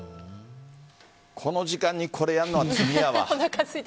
この時間にこれやるのは罪やわ。